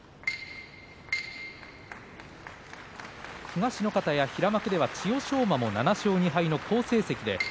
東の方屋、平幕では千代翔馬が７勝２敗の好成績です。